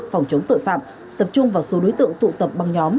phòng chống tội phạm tập trung vào số đối tượng tụ tập băng nhóm